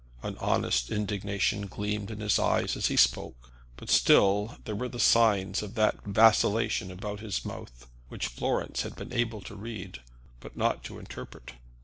An honest indignation gleamed in his eyes as he spoke; but still there were the signs of that vacillation about his mouth which Florence had been able to read, but not to interpret.